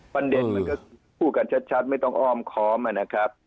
ปันเดชน์มันก็พูดกันชัดไม่ต้องอ้อมคอมอะนะครับ